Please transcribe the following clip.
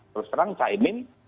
terus terang caimin